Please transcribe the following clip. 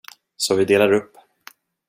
Så vi delar upp.